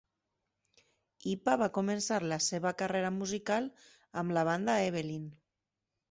Hipa va començar la seva carrera musical amb la banda Evelynn.